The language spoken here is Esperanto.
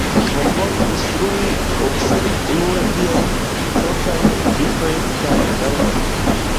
Por bone instrui, observu unue viajn proprajn lipojn kaj langon.